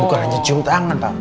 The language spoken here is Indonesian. bukan hanya cium tangan pak